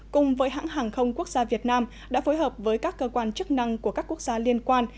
cùng với hãng hàng không quốc gia việt nam đã phối hợp với các cơ quan chức năng của các quốc gia liên quan